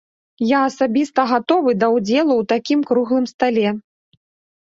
Я асабіста гатовы да ўдзелу ў такім круглым стале.